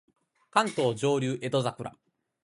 関東上流江戸桜